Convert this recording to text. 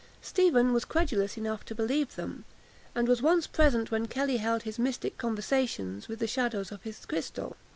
Stephen was credulous enough to believe them, and was once present when Kelly held his mystic conversations with the shadows of his crystal.